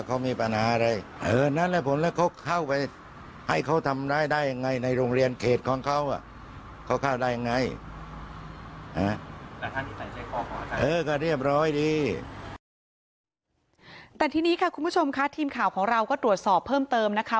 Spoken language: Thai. แต่ทีนี้ค่ะคุณผู้ชมค่ะทีมข่าวของเราก็ตรวจสอบเพิ่มเติมนะคะ